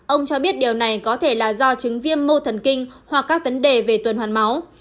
ông cho biết điều này có thể là do chứng viêm mô thần kinh hoặc các vấn đề về tuần hoàn máu